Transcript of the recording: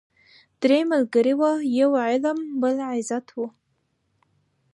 درې ملګري وه یو علم بل عزت وو